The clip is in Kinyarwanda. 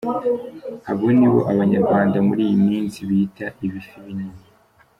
Abo nibo Abanyarwanda muri iyi munsi bita “ibifi binini”.